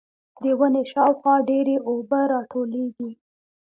د ونې شاوخوا ډېرې اوبه راټولېږي.